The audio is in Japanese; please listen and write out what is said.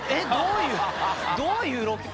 どういうロケ。